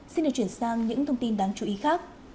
xin được chuyển sang những thông tin đáng chú ý khác